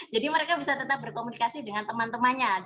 jadi mereka bisa tetap berkomunikasi dengan teman temannya